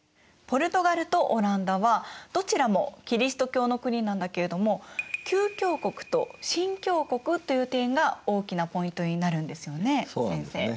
ポルトガルとオランダはどちらもキリスト教の国なんだけれども旧教国と新教国という点が大きなポイントになるんですよね先生。